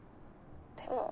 でも。